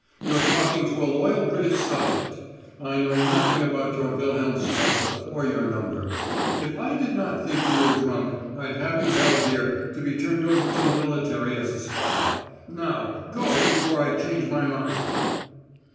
You're talking to a loyal British subject. I know nothing about your Wilhelmstrasse or your number. If I did not think you were drunk I'd have you held here, to be turned over to the military as a spy. Now, go before I change my mind."